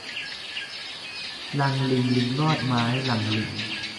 ลางลิงลิงลอดไม้ ลางลิง